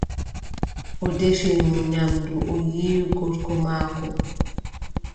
O defini mo nyamndu, o yiiwi gorko maako.